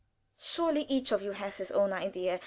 Surely each of you has his own idea!